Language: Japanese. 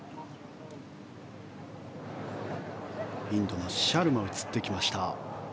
インドのシャルマ映ってきました。